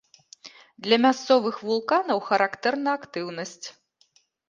Для мясцовых вулканаў характэрна актыўнасць.